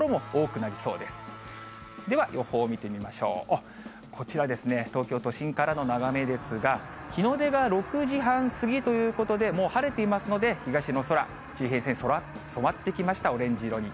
あっ、こちらですね、東京都心からの眺めですが、日の出が６時半過ぎということで、もう晴れていますので、東の空、地平線、染まってきました、オレンジ色に。